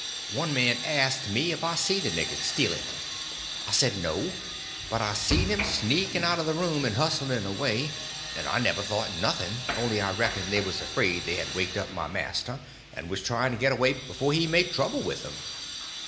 One man asked me if I see the niggers steal it. I said no, but I see them sneaking out of the room and hustling away, and I never thought nothing, only I reckoned they was afraid they had waked up my master and was trying to get away before he made trouble with them.